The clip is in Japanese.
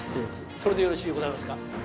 それでよろしゅうございますか？